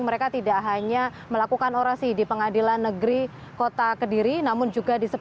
mereka tidak hanya melakukan orasi di pengadilan negeri kota kediri